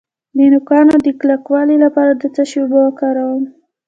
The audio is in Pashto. د نوکانو د کلکوالي لپاره د څه شي اوبه وکاروم؟